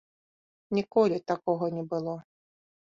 Ніколі такога не было.